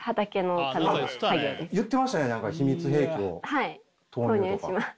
はい投入します。